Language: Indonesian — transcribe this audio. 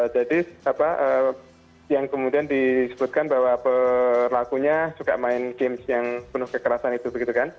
jadi yang kemudian disebutkan bahwa pelakunya suka main game yang penuh kekerasan itu begitu kan